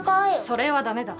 それはダメだ。